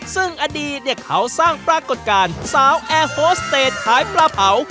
ซึ่งอดีตเนี่ยเขาสร้างปรากฏการณ์สาวแอร์โฮสเตจขายปลาเผา